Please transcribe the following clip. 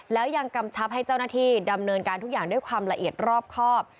แล้วยังกำชับให้เจ้าหน้าที่ดำเนินการทุกอย่างด้วยความละเอียดรอบครอบ